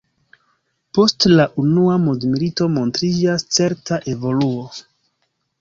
Post la unua mondmilito montriĝas certa evoluo.